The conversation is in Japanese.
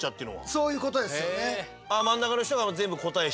そういうことなんですかね。